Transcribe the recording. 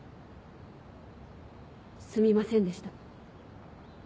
すみませんでした。